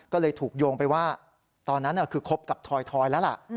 ก็เลยถูกโยงไปว่าตอนนั้นคือคบกับทอยแล้วล่ะ